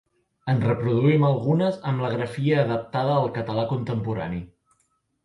En reproduïm algunes amb la grafia adaptada al català contemporani.